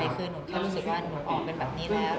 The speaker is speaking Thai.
คือหนูแค่รู้สึกว่าหนูออกเป็นแบบนี้แล้ว